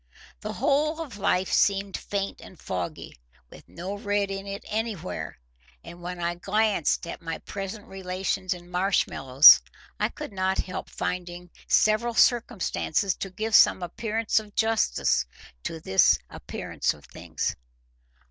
The whole of life seemed faint and foggy, with no red in it anywhere; and when I glanced at my present relations in Marshmallows, I could not help finding several circumstances to give some appearance of justice to this appearance of things.